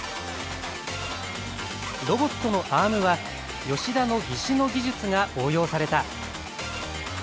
ロボットのアームは吉田の義手の技術が応用された。